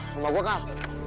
rumah gua kal